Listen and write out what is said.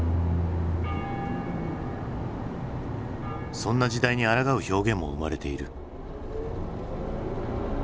そんな時代にあらがう表現も生まれている。